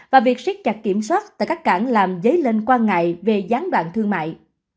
và việc siết chặt kiểm soát tại các cảng làm dấy lên quan ngại về gián đoạn thương mại